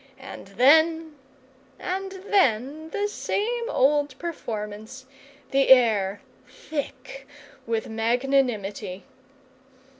and then and then the same old performance: the air thick with magnanimity.